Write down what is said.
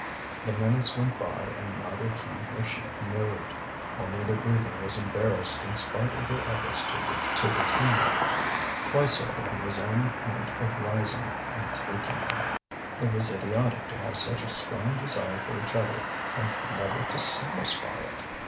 The minutes went by and neither he nor she moved, only their breathing was embarrassed in spite of their efforts to retain it. Twice over he was on the point of rising and taking her. It was idiotic to have such a strong desire for each other and never to satisfy it.